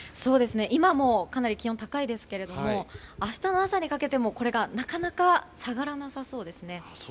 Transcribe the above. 今もかなり気温が高いですけど明日の朝にかけても、これがなかなか下がらなさそうです。